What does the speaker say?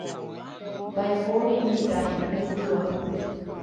ndaipóri mitã oikũmbýva